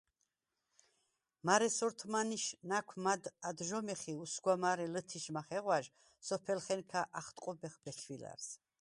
მარე სორთმანიშ ნა̈ქვ მად ადჟომეხ ი უსგვა მარე ლჷთიშ მახეღვა̈ჟ სოფელხენქა ახტყუბეხ ბეჩვილა̈რს.